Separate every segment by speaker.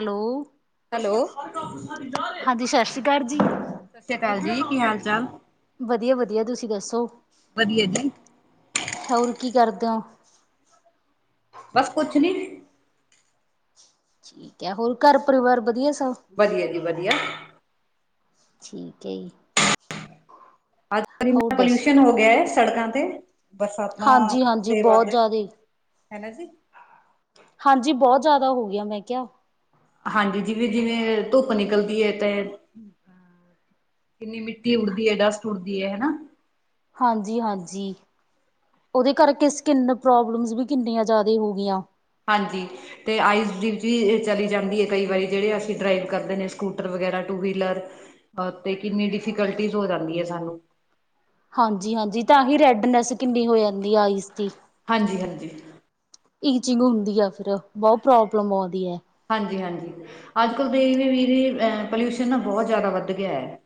Speaker 1: Hello
Speaker 2: hello, ਸਤਿ
Speaker 1: ਹਾਂਜੀ ਸਤਿ ਸ਼੍ਰੀ ਅਕਾਲ ਜੀ
Speaker 2: ਸ੍ਰੀ ਅਕਾਲ ਜੀ, ਕੀ ਹਾਲ ਚਾਲ
Speaker 1: ਵਧੀਆ ਵਧੀਆ, ਤੁਸੀਂ ਦੱਸੋ,
Speaker 2: ਵਧੀਆ ਜੀ
Speaker 1: ਹੋਰ ਕੀ ਕਰਦੇ ਹੋ
Speaker 2: ਬਸ ਕੁਛ ਨੀ
Speaker 1: ਠੀਕ ਹੈ, ਹੋਰ ਘਰ ਪਰਿਵਾਰ ਵਧੀਆ ਸਭ
Speaker 2: ਵਧੀਆ ਜੀ ਵਧੀਆ
Speaker 1: ਠੀਕ ਹੈ ਜੀ
Speaker 2: ਅੱਜ
Speaker 1: ਹੋਰ
Speaker 2: ਇੰਨਾ
Speaker 1: ਦੱਸੋ
Speaker 2: ਪੋਲਿਊਸ਼ਨ ਹੋ ਗਿਆ ਹੈ, ਸੜਕਾਂ ਤੇ, ਬਰਸਾਤਾਂ
Speaker 1: ਹਾਂਜੀ ਹਾਂਜੀ
Speaker 2: ਦੇ ਵੱਧ
Speaker 1: ਬਹੁਤ ਜ਼ਿਆਦਾ
Speaker 2: ਹੈ ਨਾ ਜੀ
Speaker 1: ਹਾਂਜੀ ਬਹੁਤ ਜ਼ਿਆਦਾ ਹੋ ਗਿਆ, ਮੈਂ ਕਿਹਾ
Speaker 2: ਹਾਂਜੀ, ਜਿਵੇਂ ਜਿਵੇਂ ਧੁੱਪ ਨਿਕਲਦੀ ਹੈ, ਤੇ ਕਿੰਨੀ ਮਿੱਟੀ ਉੱਡਦੀ ਹੈ, ਡਸਟ ਉੱਡਦੀ ਹੈ, ਹੈਨਾ
Speaker 1: ਹਾਂਜੀ ਹਾਂਜੀ। ਉਹਦੇ ਕਰਕੇ, ਸਕਿੰਨ ਪ੍ਰੋਬਲਮਸ ਵੀ ਕਿੰਨੀਆਂ ਜ਼ਿਆਦਾ ਹੋ ਗਈਆਂ।
Speaker 2: ਹਾਂਜੀ। ਤੇ ਆਈਸ ਡੀ ਵੀ ਚਲੀ ਜਾਂਦੀ ਹੈ। ਕਈ ਵਾਰੀ ਜਿਹੜੇ ਅਸੀਂ ਡਰਾਈਵ ਕਰਦੇ ਨੇ ਸਕੂਟਰ ਵਗੈਰਾ ਟੂ ਵੀਲਰ। ਹਾਂ ਤੇ ਕਿੰਨੀ ਡਿਫੀਕਲਟੀਜ ਹੋ ਜਾਂਦੀ ਹੈ ਸਾਨੂੰ।
Speaker 1: ਹਾਂਜੀ ਹਾਂਜੀ ਤਾਂ ਹੀ ਰੈਡਨੈਸ ਕਿੰਨੀ ਹੋ ਜਾਂਦੀ ਆਈਸ ਦੀ।
Speaker 2: ਹਾਂਜੀ ਹਾਂਜੀ।
Speaker 1: ਈਚਿੰਗ ਹੁੰਦੀ ਆ ਫਿਰ ਬਹੁਤ ਪ੍ਰੋਬਲਮ ਆਉਂਦੀ ਹੈ।
Speaker 2: ਹਾਂਜੀ ਹਾਂਜੀ ਅੱਜ ਕੱਲ੍ਹ ਦੇਖਦੇ ਵੀਰੇ ਅਹ ਪੋਲਿਊਸ਼ਨ ਨਾ ਬਹੁਤ ਜ਼ਿਆਦਾ ਵੱਧ ਗਿਆ ਹੈ।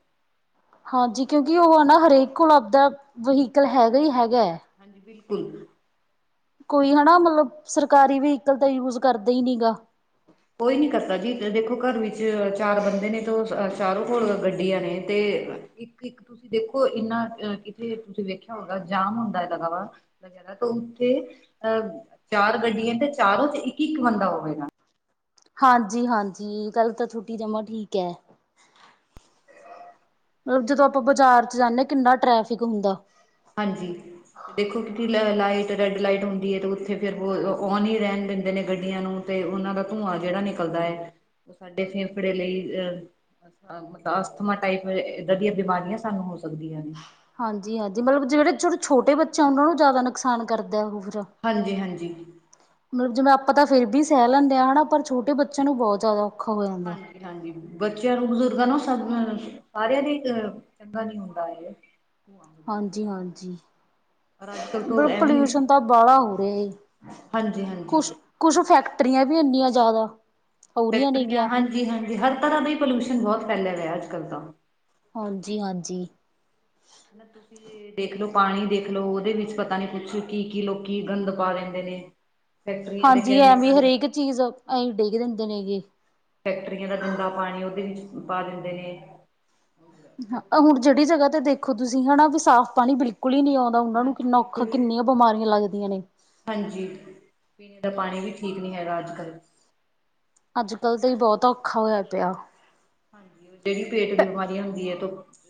Speaker 1: ਹਾਂਜੀ ਕਿਉਂਕਿ ਉਹ ਹੈ ਨਾ ਹਰੇਕ ਕੋਲ ਆਪਦਾ ਵਹੀਕਲ ਹੈਗਾ ਹੀ ਹੈਗਾ ਹੈ।
Speaker 2: ਹਾਂਜੀ ਬਿਲਕੁਲ।
Speaker 1: ਕੋਈ ਹਨਾ ਮਤਲਬ ਸਰਕਾਰੀ ਵਹੀਕਲ ਤਾਂ ਯੂਜ ਕਰਦੇ ਹੀ ਨੀ ਗਾ।
Speaker 2: ਕੋਈ ਨੀ ਕਰਦਾ ਜੀ ਦੇਖੋ ਘਰ ਵਿੱਚ ਚਾਰ ਬੰਦੇ ਨੇ ਤੇ ਚਾਰੋਂ ਕੋਲ਼ ਗੱਡੀਆਂ ਨੇ ਤੇ। ਇੱਕ ਇੱਕ ਤੁਸੀਂ ਦੇਖੋ ਇੰਨਾ ਐਨਾ ਕਿੱਥੇ ਤੁਸੀਂ ਵੇਖਿਆ ਹੋਗਾ ਜਾਮ ਹੁੰਦਾ ਹੈ ਲਗਾ ਵਾ। ਵਗੈਰਾ ਤੇ ਉੱਥੇ ਅਹ ਚਾਰ ਗੱਡੀਆਂ ਤੇ ਚਾਰੋਂ 'ਚ ਇੱਕ ਇੱਕ ਬੰਦਾ ਹੋਵੇਗਾ।
Speaker 1: ਹਾਂਜੀ ਹਾਂਜੀ ਗੱਲ ਤਾਂ ਤੁਹਾਡੀ ਜਮਾ ਠੀਕ ਹੈ। ਮਤਲਬ ਜਦੋਂ ਆਪਾਂ ਬਾਜ਼ਾਰ 'ਚ ਜਾਂਦੇ ਹਾਂ ਕਿੰਨਾ ਟ੍ਰੈਫਿਕ ਹੁੰਦਾ ਹੈ।
Speaker 2: ਹਾਂਜੀ। ਅਤੇ ਦੇਖੋ ਕਿ ਕੀ ਲ ਲਾਈਟ ਰੈੱਡ ਲਾਈਟ ਹੁੰਦੀ ਹੈ ਅਤੇ ਉੱਥੇ ਫਿਰ ਉਹ ਔਨ ਹੀ ਰਹਿਣ ਦੈਂਦੇ ਨੇ ਗੱਡੀਆਂ ਨੂੰ ਤੇ ਉਹਨਾਂ ਦਾ ਧੂੰਆਂ ਜਿਹੜਾ ਨਿਕਲਦਾ ਹੈ ਉਹ ਸਾਡੇ ਫੇਫੜੇ ਲਈ ਅਹ ਮਤਲਬ ਅਸਥਮਾ ਟਾਈਪ ਇਏਦਾਂ ਦੀਆਂ ਬਿਮਾਰੀਆਂ ਸਾਨੂੰ ਹੋ ਸਕਦੀਆਂ ਨੇ
Speaker 1: ਹਾਂਜੀ ਹਾਂਜੀ ਮਤਲਬ ਜਿਹੜੇ ਜੜੇ ਛੋਟੇ ਬੱਚੇ ਉਹਨਾਂ ਨੂੰ ਜ਼ਿਆਦਾ ਨੁਕਸਾਨ ਕਰਦਾ ਉਹ ਫਰਾ
Speaker 2: ਹਾਂਜੀ ਹਾਂਜੀ
Speaker 1: ਮਤਲਬ ਜਿਵੇਂ ਆਪਾਂ ਤਾਂ ਫਿਰ ਵੀ ਸਹਿ ਲੈਂਦੇ ਹਾਂ ਹਨਾ ਪਰ ਛੋਟੇ ਬੱਚਿਆਂ ਨੂੰ ਬਹੁਤ ਜ਼ਿਆਦਾ ਔਖਾ ਹੋ ਜਾਂਦਾ ਹੈ।
Speaker 2: ਹਾਂਜੀ ਹਾਂਜੀ ਬੱਚਿਆਂ ਨੂੰ ਬਜ਼ੁਰਗਾਂ ਨੂੰ ਸਾਰਿਆਂ ਦੀ ਅ। ਚੰਗਾ ਨੀ ਹੁੰਦਾ ਹੈ।
Speaker 1: ਬਈ ਪੋਲਿਊਸ਼ਨ ਤਾਂ ਵਾਲਾ ਹੋ ਰਿਹਾ ਜੀ
Speaker 2: ਹਾਂਜੀ ਹਾਂਜੀ
Speaker 1: ਕੁਛ। ਕੁਛ ਫੈਕਟਰੀਆਂ ਵੀ ਇੰਨੀਆਂ ਜ਼ਿਆਦਾ। ਹੋ ਰਹੀਆਂ
Speaker 2: ਫੈਕਟਰੀਆਂ
Speaker 1: ਨੇਗੀਆਂ
Speaker 2: ਹਾਂਜੀ ਹਾਂਜੀ ਹਰ ਤਰ੍ਹਾਂ ਦਾ ਹੀ ਪੋਲਿਊਸ਼ਨ ਬਹੁਤ ਫੈਲਿਆ ਹੋਇਆ ਹੈ। ਅੱਜ ਕੱਲ੍ਹ ਤਾਂ।
Speaker 1: ਹਾਂਜੀ ਹਾਂਜੀ।
Speaker 2: ਨਾ ਤੁਸੀਂ ਜੀ। ਤੁਸੀਂ ਦੇਖਲੋ ਪਾਣੀ ਦੇਖਲੋ ਉਹਦੇ ਵਿੱਚ ਪਤਾ ਨੀ ਕੁਛ ਕੀ ਕੀ ਲੋਕੀ ਗੰਦ ਪਾ ਦਿੰਦੇ ਨੇ। ਫੈਕਟਰੀਆਂ ਦੇ
Speaker 1: ਹਾਂਜੀ ਐਵੇਂ
Speaker 2: ਕੈਮੀਕਲ।
Speaker 1: ਹਰੇਕ ਚੀਜ਼ ਆ ਈ ਡਿੱਗ ਦਿੰਦੇ ਨੇਗੇ।
Speaker 2: ਫੈਕਟਰੀਆਂ ਦਾ ਗੰਦਾ ਪਾਣੀ ਉਹਦੇ ਵਿੱਚ ਪਾ ਦਿੰਦੇ ਨੇ।
Speaker 1: ਹਾਂ
Speaker 2: ਲੋਕੀ
Speaker 1: ਹੁਣ ਜਿਹੜੀ ਜਗ੍ਹਾ ਤੇ ਦੇਖੋ ਤੁਸੀਂ ਹਨਾ ਵੀ ਸਾਫ਼ ਪਾਣੀ ਬਿਲਕੁਲ ਹੀ ਨਹੀਂ ਆਉਂਦਾ। ਤਾਂ ਉਹਨਾਂ ਨੂੰ
Speaker 2: ਹਾਂਜੀ
Speaker 1: ਕਿੰਨਾ ਔਖਾ
Speaker 2: ਬਿਲਕੁਲ
Speaker 1: ਕਿੰਨੀਆਂ ਬਿਮਾਰੀਆਂ ਲੱਗਦੀਆਂ ਨੇ।
Speaker 2: ਹਾਂਜੀ ਪੀਣ ਦਾ ਪਾਣੀ ਵੀ ਠੀਕ ਨਹੀਂ ਹੈਗਾ ਅੱਜ ਕੱਲ।
Speaker 1: ਅੱਜ ਕੱਲ੍ਹ ਤੇ ਜੀ ਬਹੁਤ ਔਖਾ ਹੋਇਆ ਪਿਆ ਹੈ।
Speaker 2: ਹਾਂਜੀ ਜਿਹੜੀ ਪੇਟ ਦੀ ਬਿਮਾਰੀ ਹੁੰਦੀ ਹੈ ਤੋ।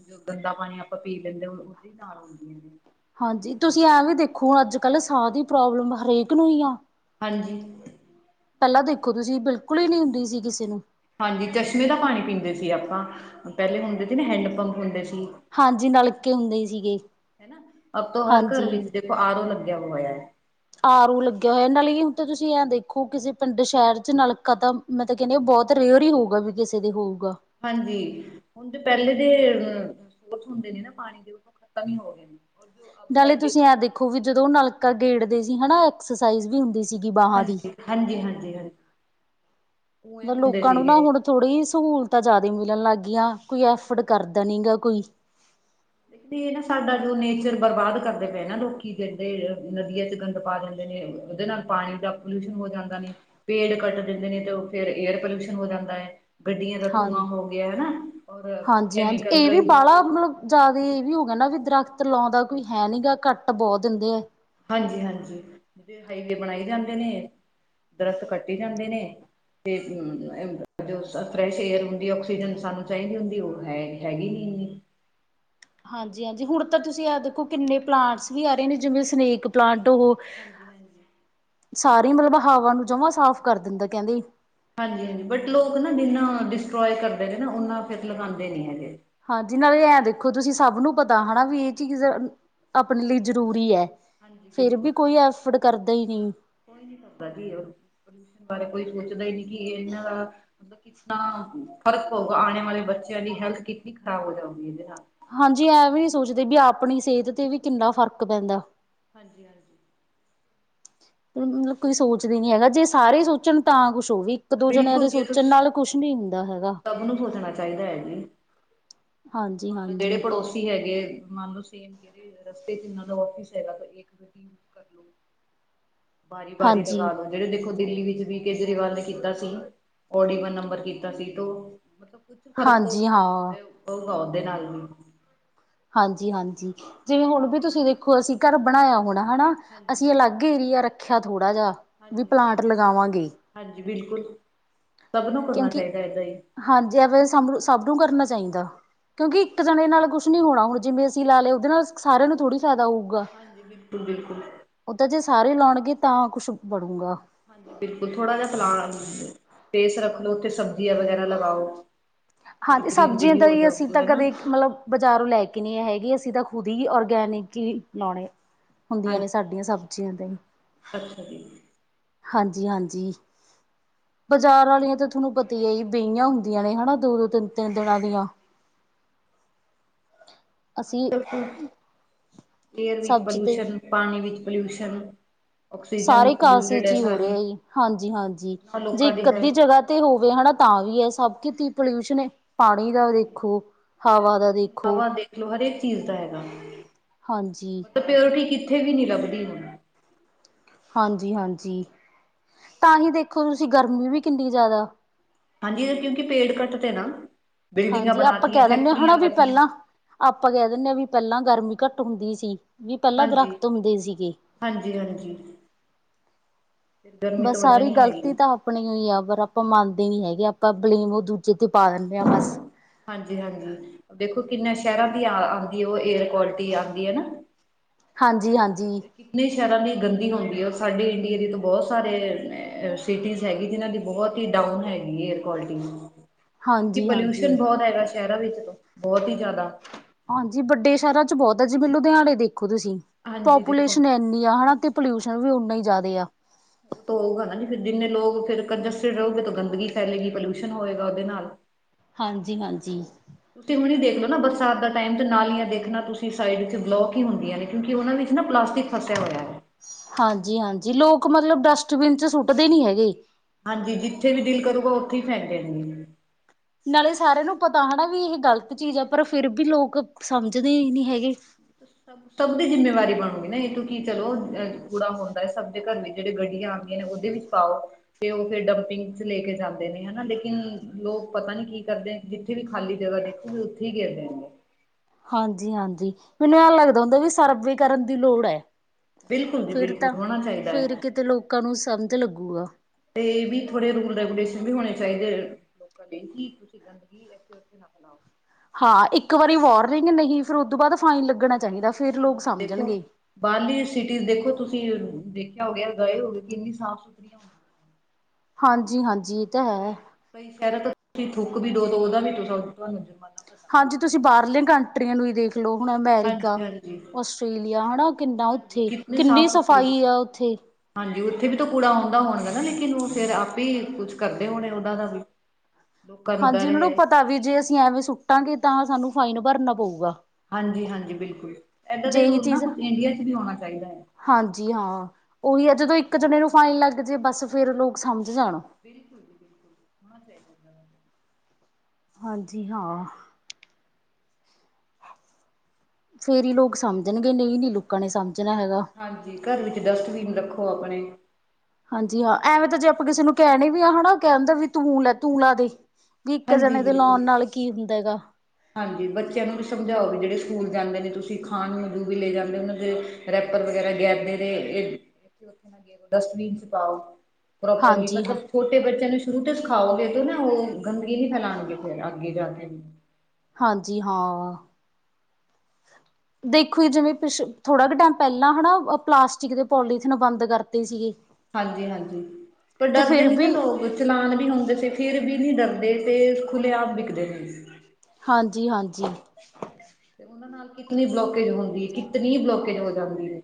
Speaker 2: ਜੋ ਗੰਦਾ ਪਾਣੀ ਆਪਾਂ ਪੀ ਲੈਂਦੇ ਹਾਂ। ਉਹਦੇ ਹੀ ਨਾਲ ਹੁੰਦੀਆਂ ਹੈ।
Speaker 1: ਹਾਂਜੀ ਤੁਸੀਂ ਐਂ ਵੀ ਦੇਖੋ ਹੁਣ ਅੱਜ ਕੱਲ੍ਹ ਸਾਹ ਦੀ ਪ੍ਰੋਬਲਮ ਹਰੇਕ ਨੂੰ ਹੀ ਆ।
Speaker 2: ਹਾਂਜੀ।
Speaker 1: ਪਹਿਲਾਂ ਦੇਖੋ ਤੁਸੀਂ ਬਿਲਕੁਲ ਹੀ ਨਹੀਂ ਹੁੰਦੀ ਸੀ ਕਿਸੇ ਨੂੰ।
Speaker 2: ਹਾਂਜੀ ਚਸ਼ਮੇ ਦਾ ਪਾਣੀ ਪੀਂਦੇ ਸੀ। ਆਪਾਂ ਪਹਿਲੇ ਹੁੰਦੇ ਸੀ। ਨਾ ਹੈਂਡ ਪੰਪ ਹੁੰਦੇ ਸੀ।
Speaker 1: ਹਾਂਜੀ ਨਲਕੇ ਹੁੰਦੇ ਸੀਗੇ।
Speaker 2: ਹਨਾ ਅਬ ਤੋਂ ਹਰ ਘਰ
Speaker 1: ਹਾਂਜੀ।
Speaker 2: ਵਿੱਚ ਦੇਖੋ ਆਰੋ ਲੱਗਿਆ ਹੋਇਆ ਹੈ।
Speaker 1: ਆਰੋ ਲੱਗਿਆ ਹੋਇਆ ਹੈ। ਨਾਲੇ ਜੀ ਹੁਣ ਤਾਂ ਤੁਸੀਂ ਐਂ ਦੇਖੋ ਕਿਸੇ ਪਿੰਡ ਸ਼ਹਿਰ 'ਚ ਨਲਕਾ ਤਾਂ। ਮੈਂ ਤਾਂ ਕਹਿਣਾ ਹਾਂ ਬਹੁਤ ਰੇਅਰ ਹੀ ਹੋਊਗਾ ਵੀ ਕਿਸੇ ਦੇ ਹੋਊਗਾ।
Speaker 2: ਹਾਂਜੀ ਹੁਣ ਦੇ ਪਹਿਲੇ ਦੇ ਅ ਸੋਰਸ ਹੁੰਦੇ ਸੀ ਨਾ ਪਾਣੀ ਦੇ। ਖ਼ਤਮ ਹੀ ਹੋ ਗਏ ਨੇ। ਔਰ ਜੋ ਅਬ
Speaker 1: ਨਾਲੇ
Speaker 2: ਹੈਗੇ
Speaker 1: ਤੁਸੀਂ ਐ ਦੇਖੋ ਵੀ ਜਦੋਂ ਨਲਕਾ ਗੇੜਦੇ ਸੀ ਹਨਾ ਐਕਸਰਸਾਈਜ਼ ਵੀ ਹੁੰਦੀ ਸੀ। ਸੀਗੀ ਬਾਹਾਂ ਦੀ।
Speaker 2: ਹਾਂਜੀ ਹਾਂਜੀ ਹਾਂਜੀ ਹਾਂਜੀ ਕੂਏ ਹੁੰਦੇ
Speaker 1: ਲੋਕਾਂ ਨੂੰ
Speaker 2: ਸੀਗੇ
Speaker 1: ਨਾ ਹੁਣ। ਥੋੜ੍ਹੀ ਜਿਹੀ ਸਹੂਲਤਾਂ ਜ਼ਿਆਦਾ ਮਿਲਣ ਲੱਗ ਗਈਆਂ ਕੋਈ ਐਫਰਡ ਕਰਦਾ ਨੀ ਗਾ ਕੋਈ।
Speaker 2: ਤੇ ਨਾ ਸਾਡਾ ਜੋ ਨੇਚਰ ਬਰਬਾਦ ਕਰਦੇ ਪਏ ਨਾ ਲੋਕੀ। ਜਿਹੜੇ ਨਦੀਆਂ ਚ ਗੰਦ ਪਾ ਜਾਂਦੇ ਨੇ। ਉਹਦੇ ਨਾਲ ਪਾਣੀ ਦਾ ਪੋਲਿਊਸ਼ਨ ਹੋ ਜਾਂਦਾ ਨੇ। ਪੇੜ ਕੱਟ ਦਿੰਦੇ ਨੇ ਤੇ ਫੇਰ ਏਅਰ ਪੋਲਿਊਸ਼ਨ ਹੋ ਜਾਂਦਾ ਹੈ। ਗੱਡੀਆਂ ਦਾ
Speaker 1: ਹਾਂ
Speaker 2: ਧੂੰਆਂ ਹੋ ਗਿਆ ਹੈਨਾ ਔਰ
Speaker 1: ਹਾਂਜੀ ਹਾਂਜੀ
Speaker 2: ਕੈਮੀਕਲ
Speaker 1: ਇਹ ਵੀ
Speaker 2: ਕਈ।
Speaker 1: ਬਾਹਲਾ ਮਤਲਬ ਜ਼ਿਆਦਾ ਇਹ ਵੀ ਹੋ ਗਿਆ ਨਾ ਵੀ ਦੱਰਖਤ ਲਾਉਂਦਾ ਕੋਈ ਹੈ ਨੀ ਗਾ ਘੱਟ ਬਹੁਤ ਦਿੰਦੇ ਆ।
Speaker 2: ਹਾਂ ਜੀ ਹਾਂ ਜੀ ਜਿਵੇਂ ਹਾਈਵੇ ਬਣਾਏ ਜਾਂਦੇ ਨੇ ਦਰੱਖਤ ਕੱਟੀ ਜਾਂਦੇ ਨੇ। ਤੇ ਜੋ ਫਰੈਸ਼ ਏਅਰ ਹੁੰਦੀ ਆਕਸੀਜਨ ਸਾਨੂੰ ਚਾਹੀਦੀ ਹੁੰਦੀ ਉਹ ਹੈ ਹੈਗੀ ਹੀ ਨਹੀਂ।
Speaker 1: ਹਾਂ ਜੀ ਹਾਂ ਜੀ ਹੁਣ ਤਾਂ ਤੁਸੀਂ ਆ ਦੇਖੋ ਕਿੰਨੇ ਪਲਾਂਟਸ ਵੀ ਆ ਰਹੇ ਨੇ ਜਿਵੇਂ ਸਨੇਕ ਪਲਾਂਟ ਉਹ।
Speaker 2: ਹਾਂਜੀ ਹਾਂਜੀ।
Speaker 1: ਸਾਰੀ ਮਤਲਬ ਹਵਾ ਨੂੰ ਜਮਾਂ ਸਾਫ਼ ਕਰ ਦਿੰਦਾ ਕਹਿੰਦੇ।
Speaker 2: ਹਾਂਜੀ ਹਾਂਜੀ ਬਟ ਲੋਕ ਨਾ ਜਿੰਨਾ ਡਿਸਟ੍ਰੋਏ ਕਰਦੇ ਨੇ ਨਾ ਉਹਨਾਂ ਫਿਰ ਲਗਾਉਂਦੇ ਨੀ ਹੈਗੇ।
Speaker 1: ਹਾਂ ਜੀ ਨਾਲੇ ਐਂ ਦੇਖੋ ਤੁਸੀਂ ਸਭ ਨੂੰ ਪਤਾ ਹੈ ਵੀ ਇਹ ਚੀਜ਼ ਆਪਣੇ ਲਈ ਜ਼ਰੂਰੀ ਹੈ।
Speaker 2: ਹਾਂਜੀ
Speaker 1: ਫਿਰ
Speaker 2: ਬਿਲਕੁਲ
Speaker 1: ਵੀ ਕੋਈ ਐਫਰਡ ਕਰਦਾ ਹੀ ਨਹੀਂ।
Speaker 2: ਕੋਈ ਨੀ ਕਰਦਾ ਕਿਸੇ ਬਾਰੇ ਕੋਈ ਪੁੱਛਦਾ ਹੀ ਨੀ ਕਿ ਇਹਨਾਂ ਦਾ। ਕਿੰਨਾ ਫ਼ਰਕ ਹੋਗਾ ਆਣੇ ਵਾਲੇ ਬੱਚਿਆਂ ਦੀ ਹੈਲਥ ਕਿੰਨੀ ਖ਼ਰਾਬ ਹੋ ਜਾਊਗੀ ਇਹਦੇ ਨਾਲ।
Speaker 1: ਹਾਂਜੀ ਐ ਵੀ ਨੀ ਸੋਚਦੇ ਵੀ ਆਪਣੀ ਸਿਹਤ ਤੇ ਵੀ ਕਿੰਨਾ ਫ਼ਰਕ ਪੈਂਦਾ।
Speaker 2: ਹਾਂਜੀ ਹਾਂਜੀ।
Speaker 1: ਹੂੰ ਕੋਈ ਸੋਚਦੇ ਨੀ ਹੈਗਾ। ਜੇ ਸਾਰੇ ਸੋਚਣ ਤਾਂ ਕੁਝ ਹੋਵੇ। ਇੱਕ ਦੋ ਜਣਿਆਂ ਦੇ
Speaker 2: ਬਿਲਕੁਲ ਜੀ ਇਹ ਤਾਂ
Speaker 1: ਸੋਚਣ ਨਾਲ ਕੁਝ। ਨਹੀਂ ਹੁੰਦਾ ਹੈਗਾ।
Speaker 2: ਸਭ ਨੂੰ ਸੋਚਣਾ ਚਾਹੀਦਾ ਹੈ ਜੀ
Speaker 1: ਹਾਂਜੀ
Speaker 2: ਜਿਹੜੇ
Speaker 1: ਹਾਂਜੀ
Speaker 2: ਪੜੋਸ। ਹੈਗੇ ਮੰਨ ਲਓ ਸੇਮ ਜਿਹੜੇ ਰਸਤੇ ਤੇ ਉਹਨਾਂ ਦਾ ਆਫਿਸ ਹੈਗਾ। ਵਾਰੀ ਵਾਰੀ
Speaker 1: ਹਾਂਜੀ
Speaker 2: ਲੱਗਾ ਲੋ। ਜਿਹੜੇ ਦੇਖੋ ਦਿੱਲੀ ਵਿੱਚ ਵੀ ਕੇਜਰੀਵਾਲ ਨੇ ਕੀਤਾ ਸੀ। ਓਡ ਈਵਨ ਨੰਬਰ ਕੀਤਾ ਸੀ ਤੋ। ਕੁਝ ਫ਼ਰਕ ਪਉ।
Speaker 1: ਹਾਂਜੀ ਹਾਂ
Speaker 2: ਪਊਗਾ ਉਹਦੇ ਨਾਲ ਵੀ।
Speaker 1: ਹਾਂਜੀ ਹਾਂਜੀ ਜਿਵੇਂ ਹੁਣ ਵੀ ਤੁਸੀਂ ਦੇਖੋ। ਅਸੀਂ ਘਰ ਬਣਾਇਆ ਹੋਣਾ ਹੈਨਾ।
Speaker 2: ਹਾਂਜੀ ਹਾਂਜੀ
Speaker 1: ਅਸੀਂ ਅਲੱਗ ਏਰੀਆ ਰੱਖਿਆ ਥੋੜਾ ਜਾ। ਵੀ
Speaker 2: ਹਾਂਜੀ
Speaker 1: ਪਲਾਂਟ ਲਗਾਵਾਂਗੇ।
Speaker 2: ਹਾਂਜੀ ਬਿਲਕੁਲ ਸਭ ਨੂੰ ਕਰਨਾ
Speaker 1: ਕਿਉਂਕਿ
Speaker 2: ਚਾਹੀਦਾ ਏਦਾਂ ਹੀ।
Speaker 1: ਹਾਂਜੀ ਐਵੇ ਸਾਨੂੰ ਸਭ ਨੂੰ ਕਰਨਾ ਚਾਹੀਦਾ। ਕਿਉਂਕਿ ਇੱਕ ਜਣੇ ਨਾਲ ਕੁਝ ਨੀ ਹੋਣਾ। ਹੁਣ ਜਿਵੇਂ ਅਸੀਂ ਲਾ ਲਏ ਉਹਦੇ ਨਾਲ ਸਾਰੇਆਂ ਨੂੰ ਥੋੜੀ ਫਾਇਦਾ ਹੋਊ।
Speaker 2: ਹਾਂਜੀ ਬਿਲਕੁਲ ਬਿਲਕੁਲ।
Speaker 1: ਉਹ ਤਾਂ ਜੇ ਸਾਰੇ ਲਾਉਣਗੇ ਤਾਂ ਕੁਝ ਬਣੁਗਾ।
Speaker 2: ਹਾਂਜੀ ਬਿਲਕੁਲ ਥੋੜਾ ਜਿਹਾ ਫਲਾਣ ਤੇੇਸ ਰੱਖ ਲੋ ਉੱਥੇ। ਦਿਆ ਵਗੈਰਾ ਲਗਾਓ। ਥੋੜੀ
Speaker 1: ਹਾਂਜੀ
Speaker 2: ਗਰੀਨਰੀ
Speaker 1: ਸਬਜ਼ੀਆਂ
Speaker 2: ਵੀ
Speaker 1: ਤਾਂ
Speaker 2: ਹੋ
Speaker 1: ਹੀ ਅਸੀਂ
Speaker 2: ਜਾਊਗੀ
Speaker 1: ਤਾਂ
Speaker 2: ਹੈਨਾ।
Speaker 1: ਕਦੇ ਮਤਲਬ ਬਾਜ਼ਾਰੋਂ ਲੈ ਕੇ ਨਹੀਂ ਹੈਗੇ। ਅਸੀਂ ਤਾਂ ਖੁਦ ਹੀ ਔਰਗੈਨਿਕ ਹੀ ਲਾਉਣੇ। ਹੁੰਦੀਆਂ
Speaker 2: ਹਾਂਜੀ
Speaker 1: ਨੇ ਸਾਡੀਆਂ ਸਬਜ਼ੀਆਂ ਤੇ।
Speaker 2: ਅੱਛਾ ਜੀ।
Speaker 1: ਹਾਂਜੀ ਹਾਂਜੀ। ਬਜ਼ਾਰ ਵਾਲੀਆਂ ਤੇ ਤੁਹਾਨੂੰ ਪਤਾ ਹੀ ਬਹੀਆਂ ਹੁੰਦੀਆਂ ਨੇ ਹੈਨਾ ਦੋ-ਦੋ ਤਿੰਨ-ਤਿੰਨ ਦਿਨਾਂ ਦੀਆ।
Speaker 2: ਹਾਂਜੀ ਅੱਜ
Speaker 1: ਅਸੀਂ।
Speaker 2: ਕੱਲ ਤੋਂ ਏਅਰ ਵਿੱਚ
Speaker 1: ਸਬਜ਼ੀ ਤੇ
Speaker 2: ਪੋਲਿਊਸ਼ਨ, ਪਾਣੀ ਵਿੱਚ ਪੋਲਿਊਸ਼ਨ। ਆਕਸੀਜਨ
Speaker 1: ਸਾਰੇ ਕਾਸ
Speaker 2: ਪੋਲਿਊਟਿਡ
Speaker 1: ਚ
Speaker 2: ਹੈ
Speaker 1: ਹੀ ਹੋ ਰਿਹਾ
Speaker 2: ਸਾਰੀ
Speaker 1: ਜੀ ਹਾਂਜੀ ਹਾਂਜੀ
Speaker 2: ਨਾ
Speaker 1: ਜੇ
Speaker 2: ਲੋਕਾਂ ਦੀ
Speaker 1: ਇੱਕ
Speaker 2: ਹੈ
Speaker 1: ਅੱਧੀ ਜਗ੍ਹਾ। ਤੇ ਹੋਵੇ ਹੈਨਾ ਤਾਂ ਵੀ ਹੈ। ਸਭ ਕੀਤੇ ਪੋਲਿਊਸ਼ਨ। ਪਾਣੀ ਦਾ ਦੇਖੋ, ਹਵਾ ਦਾ ਦੇਖੋ।
Speaker 2: ਹਵਾ ਦੇਖਲੋ ਹਰੇਕ ਚੀਜ਼
Speaker 1: ਹਾਂਜੀ।
Speaker 2: ਪਿਓਰਟੀ ਕਿੱਥੇ ਵੀ ਨਹੀਂ ਲੱਭਦੀ।
Speaker 1: ਹਾਂਜੀ ਹਾਂਜੀ ਤਾਂ ਹੀ ਦੇਖੋ, ਤੁਸੀਂ ਗਰਮੀ ਵੀ ਕਿੰਨੀ ਜ਼ਿਆਦਾ।
Speaker 2: ਹਾਂਜੀ ਕਿਉਂਕਿ ਪੇੜ ਕੱਟ ਦੇ ਨਾ। ਬਿਲਡਿੰਗਾਂ
Speaker 1: ਹਾਂਜੀ ਆਪਾਂ
Speaker 2: ਬਣਾਤੀਆਂ
Speaker 1: ਕਹਿ ਦਿੰਦੇ ਹਾਂ
Speaker 2: ਫੈਕਟਰੀਆਂ
Speaker 1: ਹੈਨਾ ਵੀ
Speaker 2: ਲਾਤੀਆਂ
Speaker 1: ਪਹਿਲਾਂ। ਆਪਾਂ ਕਹਿ ਦਿੰਦੇੇ ਹਾਂ ਵੀ ਪਹਿਲਾਂ ਗਰਮੀ ਘੱਟ ਹੁੰਦੀ ਸੀ ਵੀ ਪਹਿਲਾਂ
Speaker 2: ਹਾਂਜੀ
Speaker 1: ਦਰਖਤ ਹੁੰਦੇ ਸੀਗੇ।
Speaker 2: ਹਾਂਜੀ ਹਾਂਜੀ ਤੇ ਗਰਮੀ ਤੋਂ ਵੱਧਣ ਹੀ ਹੈਗੀ ਨ।
Speaker 1: ਆਪਣੇ ਹੀ ਆ ਪਰ ਆਪਾਂ ਮੰਨਦੇ ਨੀ ਹੈਗੇ ਆਪਾਂ ਬਲੇਮ ਉਹ ਦੂਜੇ ਤੇ ਪਾ ਦਿੰਦੇ ਹਾਂ ਬਸ।
Speaker 2: ਹਾਂਜੀ ਹਾਂਜੀ ਦੇਖੋ ਕਿੰਨਾ ਸ਼ਹਿਰਾਂ ਦੀ ਆ ਆਉਂਦੀ ਹੈ ਉਹ ਏਅਰ ਕੁਆਲਿਟੀ। ਆਉਂਦੀ ਹੈ ਨਾ।
Speaker 1: ਹਾਂਜੀ-ਹਾਂਜੀ,
Speaker 2: ਕਿੰਨੇ ਸ਼ਹਿਰਾਂ ਦੀ ਗੰਦੀ ਹੁੰਦੀ ਹੈ ਔਰ ਸਾਡੇ ਇੰਡੀਆ ਦੀ ਤਾਂ ਬਹੁਤ ਸਾਰੇ ਸਿਟੀਜ਼ ਹੈਗੀ ਜਿਨ੍ਹਾਂ ਦੀ ਬਹੁਤ ਡਾਊਨ ਹੈਗੀ ਏਅਰ ਕੁਆਲਿਟੀ। ਕਿਉਂਕਿ ਪੋਲਿਊਸ਼ਨ
Speaker 1: ਹਾਂਜੀ-ਹਾਂਜੀ।
Speaker 2: ਬਹੁਤ ਹੈਗਾ ਸ਼ਹਿਰਾਂ ਵਿੱਚ ਤਾਂ ਬਹੁਤ ਹੀ ਜ਼ਿਆਦਾ।
Speaker 1: ਹਾਂਜੀ ਵੱਡੇ ਸ਼ਹਿਰਾਂ ਚ ਬਹੁਤ ਆ ਜੀ ਮੈਨ ਲੁਧਿਆਣੇ ਦੇਖੋ ਤੁਸੀਂ
Speaker 2: ਹਾਂਜੀ ਦੇਖੋ
Speaker 1: ਪਾਪੂਲੇਸ਼ਨ
Speaker 2: ਉਹ
Speaker 1: ਇਨੀ ਆ ਹੈਾ ਤੇ ਪੋਲਿਊਸ਼ਨ ਵੀ ਉਨਾ ਹੀ ਜ਼ਿਆਦਾ ਆ।
Speaker 2: ਹੋਊਗਾ ਨਾ ਜੀ ਫਿਰ ਜਿੰਨੇ ਲੋਕ ਫਿਰ ਕੰਜਸਟਿਡ ਰਹਗੇ ਤਾਂ ਗੰਦਗੀ ਫੈਲੇਗੀ ਪੋਲਿਊਸ਼ਨ ਹੋਗਾ ਉਹਦੇ ਨਾਲ
Speaker 1: ਹਾਂਜੀ ਹਾਂਜੀ।
Speaker 2: ਤੁਂ ਹੁਣ ਹੀ ਦੇਖਲੋ ਨਾ ਬਰਸਾਤ ਦਾ ਟਾਈਮ ਤੇ ਨਾਲੀਆਂ ਦੇਖਣਾ ਤੁਸੀਂ ਸਾਈਡ ਇਥੇ ਬਲੋਕ ਹੀ ਹੁੰਦੀਆਂ ਨੇ। ਕਿਉਂਕਿ ਉਹਨਾਂ ਵਿੱਚ ਨਾ ਪਲਾਸਟਿਕ ਫਸਿਆ ਹੋਇਆ ਹੈ।
Speaker 1: ਹਾਂਜੀ ਹਾਂਜੀ ਲੋਕ ਮਤਲਬ ਡਸਟਬਿਨ ਚ ਸੁੱਟਦੇ ਨੀ ਹੈਗੇ।
Speaker 2: ਹਾਂਜੀ ਜਿੱਥੇ ਵੀ ਡਿਲ ਕਰੂਗਾ ਉੱਥੇ ਹੀ ਫੈਕਦੇਣਗੇ।
Speaker 1: ਨਾਲੇ ਸਾਰਿਆਂ ਨੂੰ ਪਤਾ ਹੈ ਵੀ ਇਹ ਗ਼ਲਤ ਚੀਜ਼ ਹੈ ਪਰ ਫਿਰ ਵੀ ਲੋਕ ਸਮਝਦੇ ਹੀ ਨਹੀਂ ਹੈਗੇ।
Speaker 2: ਸਭ ਸਭ ਦੀ ਜਿੰਮੇਵਾਰੀ ਬਣੂਗੀ ਨਾ ਇਹ ਤੋਂ ਕੀ ਚਲੋ ਕੂੜਾ ਹੁੰਦਾ ਸਭ ਘਰ ਵਿੱਚ ਜਿਹੜੇ ਗੱਡੀਆਂ ਆਉਂਦੀਆਂ ਨੇ ਉਹਦੇ ਵਿੱਚ ਪਾਓ। ਤੇ ਉਹ ਫਿਰ ਡੰਪਿੰਗ ਚ ਲੈ ਕੇ ਜਾਂਦੇ ਨੇ ਹਨਾ ਲੇਕਿਨ ਲੋਕ ਪਤਾ ਨੀ ਕੀ ਕਰਦੇ। ਜੱਥੇ ਵੀ ਖਾਲੀ ਜ੍ਹਾ ਦੇਖੋਗੀ ਉੱਥੇ ਹੀ ਆਂਦੇ ਹ ਆ।
Speaker 1: ਹਾਂਜੀ ਹਾਂਜੀ ਮੈਨੂੰ ਐ ਲੱਗਦਾ ਹੁੰਦਾ ਵੀ ਸਰਵੀ ਕਰਨ ਦੀ ਲੋੜ ਹੈ।
Speaker 2: ਬਿਲਕੁਲ ਜੀ
Speaker 1: ਫਿਰ
Speaker 2: ਬਿਲਕੁਲ
Speaker 1: ਤਾਂ
Speaker 2: ਹੋਣਾ ਚਾਹੀਦਾ
Speaker 1: ਫੇਰ
Speaker 2: ਹੈ
Speaker 1: ਕਿਤੇ ਲੋਕਾਂ ਨੂੰ ਸਮਝ ਲੱਗੂਗਾ।
Speaker 2: ਤੇ ਵੀ ਥੋੜੇ ਰੂਲ ਰੈਗੂਲੇਸ਼ਨ ਵੀ ਹੋਣੇ ਚਾਹੀਦੇ ਲੋਕਾਂ ਦੇ ਕੀ ਤੁਸੀਂ ਗ। ਉੱਥੇ ਨਾਪਾਲਓ
Speaker 1: ਹਾਂ ਇੱਕ ਵਾਰੀ ਵਾਰਨਿੰਗ ਨਹੀਂ ਫਿਰ ਉਹ ਤੋਂ ਬਾਅਦ ਫਾਈਨ ਲੱਗਣਾ ਚਾਹੀਦਾ ਫੇਰ ਲੋਕ
Speaker 2: ਹਾਂਜੀ ਦੇਖੋ
Speaker 1: ਸਮਝਣਗੇ।
Speaker 2: ਬਾਹਰਲੀ ਸਿਟੀਜ਼ ਦੇਖੋ ਤੁਸੀਂ ਦੇਖਿਆ ਹੋ ਗਿਆ ਗਏ ਹੋ ਗਏ ਕਿ ਇੰਨੀ ਸਾਫ਼ ਸੁਥਰੀਆਂ
Speaker 1: ਹਾਂਜੀ ਹਾਂਜੀ। ਤਾਂ
Speaker 2: ਕਈ
Speaker 1: ਹੈ।
Speaker 2: ਕਈ ਸ਼ਹਿਰ ਤਾਂ ਤੁਸੀਂ ਥੁੱਕ ਵੀ ਦੋ ਤੇ ਉਹਦਾ ਵੀ ਤੁ ਤੁਹਾਨੂੰ ਜੁਰਮਾਨਾ ਭਰਨਾ ਪੈਂਦਾ।
Speaker 1: ਹਾਂਜੀ ਤੁਸੀਂ ਬਾਹਰਲ ਕੰਟਰੀਆਂ ਨੂੰ ਹੀ ਦੇਖ ਲਓ ਹੁਣ ਅਮੈਰੀਕਾ
Speaker 2: ਹਾਂਜੀ ਹਾਂਜੀ
Speaker 1: ਆਸਟ੍ਰੇਲੀਆ ਹੈਾ ਕਿੰਨਾ
Speaker 2: ਹਾਂਜੀ
Speaker 1: ਉੱਥੇ
Speaker 2: ਕਿਤਨੀ
Speaker 1: ਕਿੰਨੀ
Speaker 2: ਸਾਫ਼ ਸੁਥਰੀ
Speaker 1: ਸਫ਼ਾਈ ਆ ਉੱਥੇ
Speaker 2: ਹਾਂਜੀ ਉੱਥੇ ਵੀ ਤਾਂ ਕੂੜਾ ਆਉਂਦਾ ਹੋਣਗਾ ਨਾ ਲੇਕਿਨ ਉਹ ਫੇਿਰ ਆਪੇ ਕੁਛ ਕਰਦੇ ਹੋਣੇ ਉਹਾਂ ਦਾ ਵੀ। ਲੋਕਾਂ
Speaker 1: ਹਾਂਜੀ
Speaker 2: ਡਰ
Speaker 1: ਉਹਨਾਂ ਨੂੰ
Speaker 2: ਹੈ
Speaker 1: ਪਤਾ ਵੀ ਜੇ ਅਸੀਂ ਐਵੇਂ ਸੁੱਟਾਂਗੇ ਤਾਂ ਸਾਨੂੰ ਫਾਈਨ ਭਰਨਾ ਪਊਗਾ।
Speaker 2: ਹਾਂਜੀ ਹਾਂਜੀ ਬਿਲਕੁਲ ਏਦਾਂ ਦਾ
Speaker 1: ਜੇ ਇਹੀ
Speaker 2: ਰੂਲ ਨਾ
Speaker 1: ਚੀਜ਼
Speaker 2: ਕੁਛ ਇੰਡੀਆ ਚ ਵੀ ਹੋਣਾ ਚਾਹੀਦਾ ਹੈ।
Speaker 1: ਹਾਂਜੀ ਹਾਂ ਉਹੀ ਆ ਜਦੋਂ ਇੱਕ ਜਣੇ ਨੂੰ ਫਾਈਨ ਲੱਗ ਜਾੇ ਬਸ ਫੇਰ ਲੋਕ ਸਮਝ ਜਾਣ।
Speaker 2: ਬਿਲਕੁਲ ਜੀ ਬਿਲਕੁਲ ਮ ਸਹੀ।
Speaker 1: ਹਾਂਜੀ ਹਾਂ। ਫੇਰ ਹੀ ਲੋਕ ਸਮਝਣਗੇ ਨਹੀਂ ਨੀ ਲੋਕਾਂ ਨੇ ਸਮਝਣਾ ਹੈਗਾ।
Speaker 2: ਹਾਂਜੀ ਘਰ ਵਿੱਚ ਡਸਟਬੀਨ ਰੱਖੋ ਆਪਣੇ। ਹੈਨਾ
Speaker 1: ਹਾਂਜੀ ਹਾਂ ਐਵੇਂ
Speaker 2: ਇਹ।
Speaker 1: ਤਾਂ ਜੇ ਆਪਾਂ ਕਿਸੇ ਨੂੰ ਕਹਿਣੇ ਵੀ ਆ ਹੈ ਕਹਿਣਿੰਦਾ ਵੀ ਤੂਲ ਤੂਲਾ ਦੇ। ਵੀ ਇੱਕ
Speaker 2: ਹਾਂਜੀ
Speaker 1: ਜਣੇ ਦੇ
Speaker 2: ਬਿਲਕੁਲ
Speaker 1: ਲਾਉਣ ਨਾਲ ਕੀ ਹੁੰਦਾ ਹੈਗਾ।
Speaker 2: ਹਾਂਜੀ ਬੱਚਿਆਂ ਨੂੰ ਵੀ ਸਮਝਾਓਗੇ ਜਿਹੜੇ ਸਕੂਲ ਜਾਂਦੇ ਨੇ ਤੁਸੀਂ ਖਾਣ ਜੋ ਵੀ ਲੈ ਜਾਂਦੇ ਉਹਨਾਂ ਦੇ ਰੈਪਰ ਵਗੈਰਾ ਗਅਰਨੇ ਦੇ ਇਹ
Speaker 1: ਹ।
Speaker 2: ਡਸਟਬੀਨ ਚ ਪਾਓ ਪ੍ਰੋਪਰਲੀ
Speaker 1: ਹਾਂਜੀ ਹਾਂ
Speaker 2: ਮਤਲਬ ਛੋਟੇ ਬੱਚਿਆਂ ਨੂੰ ਸ਼ੁਰੂ ਤੋਂ ਸਿਖਾਓਗੇ ਤੇ ਨਾ ਉਹ ਗੰਦਗੀ ਨ ਫੈਲਾਉਣਗੇ ਫਿਰ ਅੱਗੇ ਜਾ ਕੇ
Speaker 1: ਹਾਂਜੀ ਹਾਂ। ਦੇਖੋ ਜਿਵੇਂ ਪਿਛ ਥੋੜਾ ਕੁ ਟਾਈਮ ਪਹਿਲਾਂ ਹੈਾ ਪਲਾਸਟਿਕ ਦੇ ਪੋਲੀਥਨ ਬੰਦ ਕਰਤੇ ਸੀਗੇ।
Speaker 2: ਹਾਂਜੀ ਹਾਂਜੀ ਪਰ
Speaker 1: ਤੇ
Speaker 2: ਡਰਦੇ
Speaker 1: ਫਿਰ
Speaker 2: ਨੀ ਨਾ
Speaker 1: ਵੀ
Speaker 2: ਲੋਕ ਚਲਾਨ ਵੀ ਹੁੰਦੇ ਸੀ ਫਿਰ ਵੀ ਨਹੀਂ ਡਰਦੇ ਤੇ ਖੁੱਲ੍ਹੇ ਆਮ ਵਿਕਦੇ ਨੇ
Speaker 1: ਹਾਂਜੀ, ਹਾਂਜੀ।
Speaker 2: ਤੇ ਉਹਨਾਂ ਨਾਲ ਕਿਤਨੀ ਬਲੋਕੇਜ ਹੁੰਦੀ ਹੈ, ਕਿਤਨੀ ਬਲੋਕੇਜ ਹੋ ਜਾਂਦੀ ਹੈ।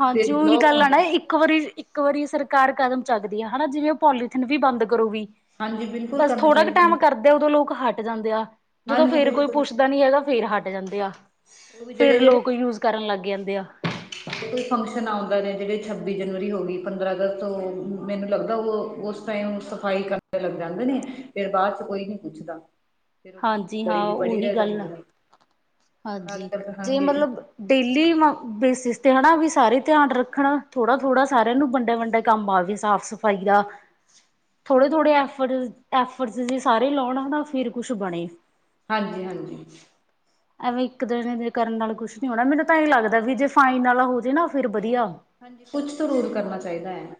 Speaker 1: ਹਾਂਜੀ, ਉਹੀ
Speaker 2: ਬਲੋਕ
Speaker 1: ਗੱਲ ਆ
Speaker 2: ਹੁੰਦੇ
Speaker 1: ਨਾ
Speaker 2: ਨੇ ਪੂਰੇ।
Speaker 1: ਇੱਕ ਵਾਰੀ ਇੱਕ ਵਾਰੀ ਸਰਕਾਰ ਕਦਮ ਚੱਕਦੀ ਹੈ ਹਨਾ, ਜਿਵੇਂ ਉਹ ਪੋਲੀਥੀਨ ਵੀ ਬੰਦ ਕਰੂਗੀ।
Speaker 2: ਹਾਂਜੀ ਬਿਲਕੁਲ
Speaker 1: ਬਸ
Speaker 2: ਕਰਨੇ
Speaker 1: ਥੋੜਾ ਕੁ
Speaker 2: ਚਾਹੀਦੇ
Speaker 1: ਟਾਈਮ
Speaker 2: ਨੇ
Speaker 1: ਕਰਦਾ। ਉਦੋਂ ਲੋਕ ਹਟ ਜਾਂਦੇ ਆ, ਜਦੋਂ
Speaker 2: ਹਾਂਜੀ
Speaker 1: ਫਿਰ ਕੋਈ
Speaker 2: ਬਿਲਕੁਲ।
Speaker 1: ਪੁੱਛਦਾ ਨੀ ਹੈਗਾ, ਫਿਰ ਹਟ ਜਾਂਦੇ ਆ।
Speaker 2: ਉਹ ਵੀ ਜਿਹੜੇ
Speaker 1: ਫਿਰ
Speaker 2: ਜਿਹੜੇ
Speaker 1: ਲੋਕ ਯੂਜ ਕਰਨ ਲੱਗ ਜਾਂਦੇ ਆ।
Speaker 2: ਹਾਂਜੀ, ਕੋਈ ਫੰਕਸ਼ਨ ਆਉਂਦੇ ਨੇ ਜਿਹੜੇ ਛੱਬੀ ਜਨਵਰੀ ਹੋ ਗਈ, ਪੰਦਰਾਂ ਅਗਸਤ ਤੋਂ ਮੈਨੂੰ ਲੱਗਦਾ, ਉਹ ਉਸ ਸਫ਼ਾਈ ਕਰਨ ਲੱਗ ਜਾਂਦੇ ਨੇ ਫਿਰ ਬਾਅਦ ਚ ਕੋਈ ਨੀ ਪੁੱਛਦਾ। ਫਿਰ ਉਹ ਗੰਦਗੀ
Speaker 1: ਹਾਂਜੀ, ਹਾਂ
Speaker 2: ਪੜੀ ਦੀ ਪੜੀ
Speaker 1: ਉਹੀ
Speaker 2: ਰਹਿ
Speaker 1: ਗੱਲ ਆ।
Speaker 2: ਜਾਂਦੀ ਨੇ ਔਰ ਅੱਜ
Speaker 1: ਹਾਂਜੀ,
Speaker 2: ਕੱਲ ਤਾਂ
Speaker 1: ਜੇ
Speaker 2: ਹਾਂਜੀ
Speaker 1: ਮਤਲੱਬ ਡੇਲੀ ਬੇਸਿਸ ਤੇ ਹਨਾ ਵੀ ਸਾਰੇ ਧਿਆਨ ਰੱਖਣ, ਥੋੜਾ-ਥੋੜਾ ਸਾਰਿਆਂ ਨੂੰ ਵੰਡਾ-ਵੰਡਾ, ਕੰਮ ਆ ਵੀ ਸਾਫ਼ ਸਫ਼ਾਈ
Speaker 2: ਹਾਂਜੀ ਹਾਂਜੀ
Speaker 1: ਦਾ ਥੋੜੇ-ਥੋੜੇ ਐਫਰਡ-ਐਫਰਡ ਸਾਰੇ ਲਾਉਣ ਨਾ ਫਿਰ ਕੁੱਛ ਬਣੇ।
Speaker 2: ਹਾਂਜੀ-ਹਾਂਜੀ,
Speaker 1: ਐਵੇਂ ਇੱਕ ਦਿਨ ਦੇ ਕਰਨ ਨਾਲ ਕੁਛ ਨੀ ਹੋਣਾ ਮੈਨੂੰ ਤਾਂ ਇਹ ਲੱਗਦਾ, ਵੀ ਜੇ ਫਾਈਨ ਵਾਲਾ ਹੋ ਜਾਏ ਨਾ ਫਿਰ ਵਧੀਆ।
Speaker 2: ਹਾਂਜੀ ਕੁਛ ਤੋ ਰੁਲ ਕਰਨਾ ਚਾਹੀਦਾ ਹੈ।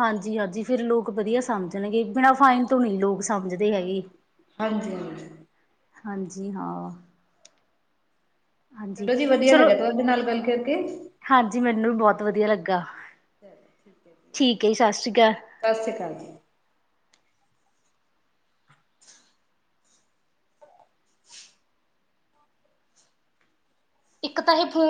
Speaker 1: ਹਾਂਜੀ-ਹਾਂਜੀ, ਫੇਰ ਲੋਕ
Speaker 2: ਹਾਂ
Speaker 1: ਵਧੀਆ ਸਮਝਣਗੇ ਬਿਨਾਂ ਫਾਈਨ ਤੋਂ ਨਹੀਂ ਲੋਕ ਸਮਝਦੇ ਹੈਗੇ
Speaker 2: ਹਾਂਜੀ-ਹਾਂਜੀ।
Speaker 1: ਹਾਂਜੀ ਹਾਂ, ਹਾਂਜੀ ਚਲੋ,
Speaker 2: ਓਕੇ,
Speaker 1: ਹਾਂਜੀ ਮੈਨੂੰ ਵੀ ਬਹੁਤ ਵਧੀਆ ਲੱਗਾ
Speaker 2: ਚਲੋ ਠੀਕ ਹੈ
Speaker 1: ਠੀਕ ਹੈ, ਜੀ
Speaker 2: ਓਕੇ
Speaker 1: ਸਤਿ ਸ਼੍ਰੀ ਅਕਾਲ
Speaker 2: ਸਤਿ ਸ਼੍ਰੀ ਅਕਾਲ ਜੀ।
Speaker 1: ਇੱਕ ਤਾਂ ਇਹ ਫੋਨ